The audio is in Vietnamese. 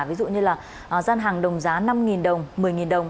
ví dụ như là gian hàng đồng giá năm đồng một mươi đồng